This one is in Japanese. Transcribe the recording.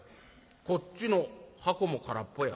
こっちの箱も空っぽや。